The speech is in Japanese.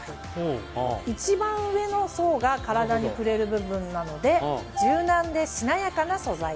一番上の層が体に触れる部分なので柔軟でしなやかな素材。